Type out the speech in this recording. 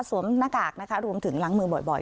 หน้ากากนะคะรวมถึงล้างมือบ่อย